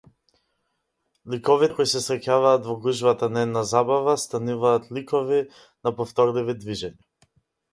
Ликовите кои се среќаваат во гужвата на една забава стануваат ликови на повторливи движења.